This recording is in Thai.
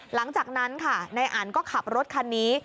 หลังจากนั้นค่ะนายอันก็ขับรถคันนี้